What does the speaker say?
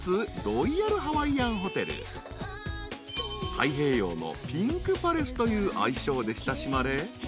［太平洋のピンク・パレスという愛称で親しまれ］